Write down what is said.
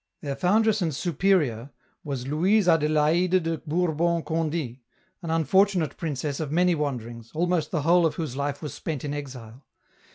" Their foundress and superior was Louise Adelaide de Bourbon Conde', an unfortunate princess of many wanderings, almost the whole of whose life was spent in exile.